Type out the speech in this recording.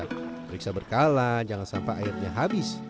periksa berkala jangan sampai airnya habis